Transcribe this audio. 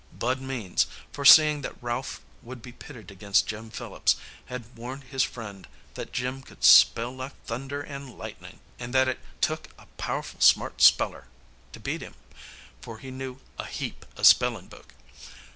Bud Means, foreseeing that Ralph would be pitted against Jim Phillips, had warned his friend that Jim could "spell like thunder and lightning," and that it "took a powerful smart speller" to beat him, for he knew "a heap of spelling book."